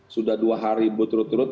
sudah dua hari butrut butrut